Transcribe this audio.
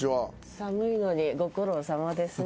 寒いのにご苦労さまですね。